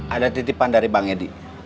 ada titipan dari bang edi